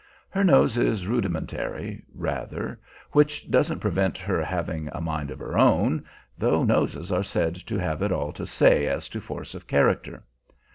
Her nose is rudimentary, rather, which doesn't prevent her having a mind of her own, though noses are said to have it all to say as to force of character.